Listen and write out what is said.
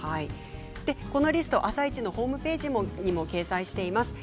このリストは「あさイチ」のホームページにも掲載しています。